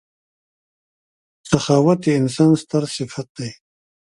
• سخاوت د انسان ستر صفت دی.